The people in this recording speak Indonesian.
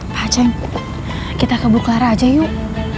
pak ceng kita ke buklara aja yuk